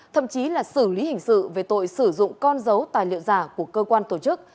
thậm chí là xử lý hình sự về tội sử dụng con dấu tài liệu giả của cơ quan tổ chức